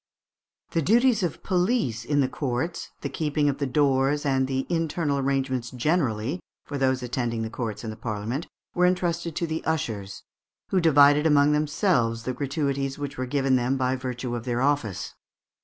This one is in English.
The duties of police in the courts, the keeping of the doors, and the internal arrangements generally for those attending the courts and the Parliament, were entrusted to the ushers, "who divided among themselves the gratuities which were given them by virtue of their office."